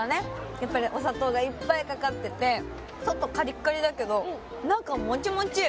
やっぱりお砂糖がいっぱいかかってて外カリッカリだけど中モチモチ！